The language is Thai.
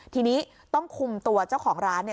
ทีนี้ต้องคุมตัวเจ้าของร้าน